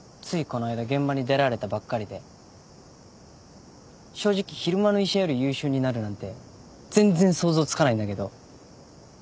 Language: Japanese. この間現場に出られたばっかりで正直昼間の医者より優秀になるなんて全然想像つかないんだけど。